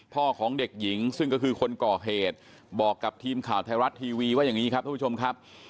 ของเด็กหญิงซึ่งก็คือคนก่อเหตุบอกกับทีมข่าวไทยรัฐทีวีว่าอย่างนี้ครับทุกผู้ชมครับ